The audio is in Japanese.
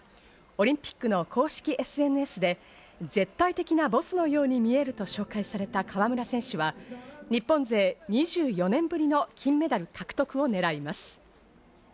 オリンピックの公式ＳＮＳで絶対的なボスのように見えると紹介された川村選手は、日本勢２４年ぶりの金メダル獲得をねらいます。